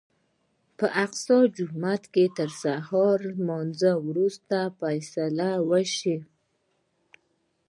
په الاقصی جومات کې تر سهار لمانځه وروسته فیصله وشوه.